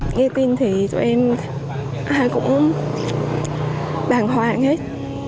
nghe tin thì tụi em cũng bàn hoàng hết